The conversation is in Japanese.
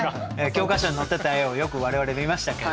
教科書に載ってた絵をよく我々見ましたけれども。